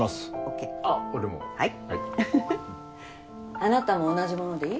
あなたも同じものでいい？